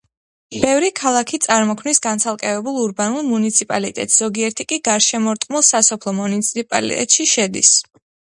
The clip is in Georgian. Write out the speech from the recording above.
ბევრი ქალაქი წარმოქმნის განცალკევებულ ურბანულ მუნიციპალიტეტს, ზოგიერთი კი გარსშემორტყმულ სასოფლო მუნიციპალიტეტში შედის.